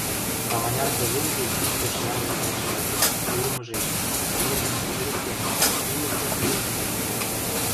Таманяр тӹжем юк иктӹш ярлен рӹшкӓлтеш, урмыжеш, нервӹм цӹтӹрӹктен, улы кӓп ежӹнгӹм пӹтӓрӓ.